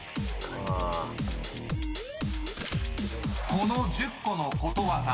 ［この１０個のことわざ